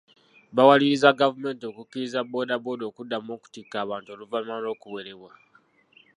Bawaliririza gavumenti okukkiriza booda booda okuddamu okutikka abantu oluvannyuma lw'okuwerebwa.